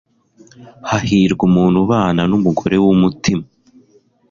hahirwa umuntu ubana n'umugore w'umutima